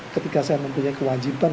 ketika saya mempunyai kewajiban